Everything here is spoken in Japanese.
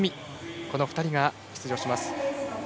この２人が出場します。